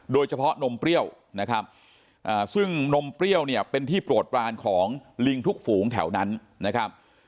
โดยเฉพาะนมเปรี้ยวนะครับซึ่งนมเปรี้ยวเนี่ยเป็นที่โปรดปรานของลิงทุกฝูงแถวนั้นนะครับ